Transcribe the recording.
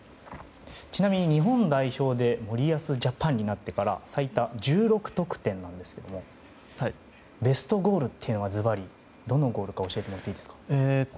ちなみに日本代表で森保ジャパンになってから最多の１６得点なんですがベストゴールというのはずばり、どのゴールか教えてもらっていいですか。